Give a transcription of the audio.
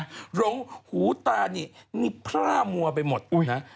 หลงหูตานี่พว่ามัวไปหมดนะ